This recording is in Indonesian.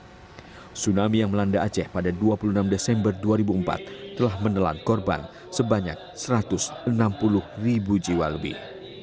tsunami yang melanda aceh pada dua puluh enam desember dua ribu empat telah menelan korban sebanyak satu ratus enam puluh ribu jiwa lebih